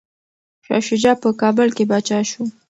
شاه شجاع په کابل کي پاچا شو.